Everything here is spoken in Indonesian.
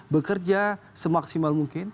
bekerja semaksimal mungkin